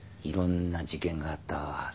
いろんな事件があったわ。